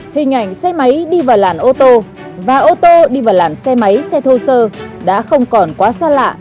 hình ảnh xe máy đi vào làn ô tô và ô tô đi vào làn xe máy xe thô sơ đã không còn quá xa lạ